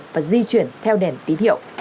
và di chuyển theo đèn tí thiệu